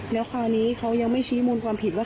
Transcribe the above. แล้วคราวนี้เขายังไม่ชี้มูลความผิดว่า